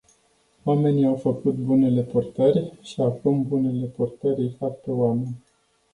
Oamenii au făcut bunele purtări, și acum bunele purtări îi fac pe oameni.